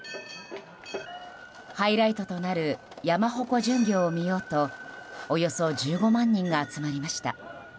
ハイライトとなる山鉾巡行を見ようとおよそ１５万人が集まりました。